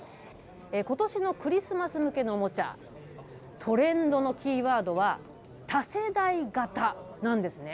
ことしのクリスマス向けのおもちゃ、トレンドのキーワードは、多世代型なんですね。